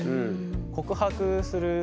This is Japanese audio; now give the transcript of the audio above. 告白する